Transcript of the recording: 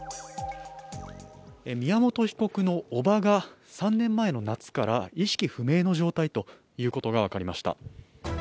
宮本被告の叔母が３年前の夏から意識不明の状態ということが分かりました。